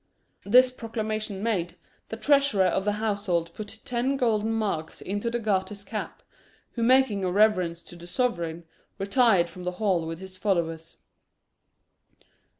This proclamation made, the treasurer of the household put ten golden marks into the Garter's cap, who making a reverence to the sovereign, retired from the hall with his followers.